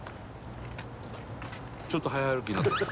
「ちょっと早歩きになった。